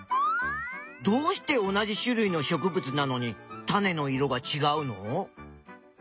どうして同じしゅるいのしょくぶつなのにタネの色がちがうの？